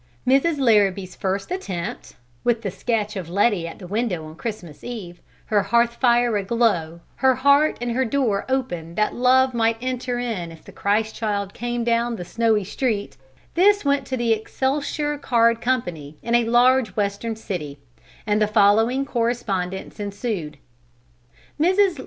Mrs. Larrabee's first attempt, with the sketch of Letty at the window on Christmas Eve, her hearth fire aglow, her heart and her door open that Love might enter in if the Christ Child came down the snowy street, this went to the Excelsior Card Company in a large Western city, and the following correspondence ensued: MRS.